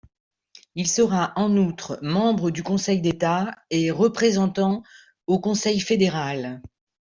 Il sera en outre membre du Conseil d'État et représentant au Conseil fédéral.